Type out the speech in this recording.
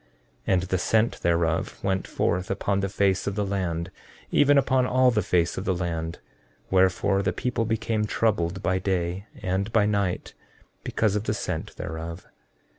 14:23 And the scent thereof went forth upon the face of the land, even upon all the face of the land; wherefore the people became troubled by day and by night, because of the scent thereof.